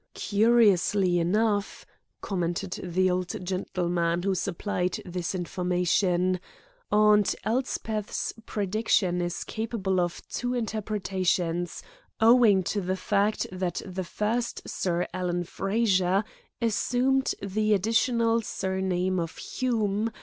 "Curiously enough," commented the old gentleman who supplied this information, "Aunt Elspeth's prediction is capable of two interpretations, owing to the fact that the first Sir Alan Frazer assumed the additional surname of Hume.